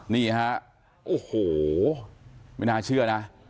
นี่ฮะโอ้โหไม่น่าเชื่อนะ